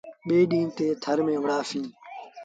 ٻي ڏيٚݩهݩ تي ٿر ميݩ وُهڙآ سيٚݩ۔